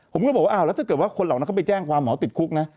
ผมก็บอกว่าอ้าวแล้วถ้าเกิดว่าคนเหล่านั้นเขาไปแจ้งความหมอติดคุกนะ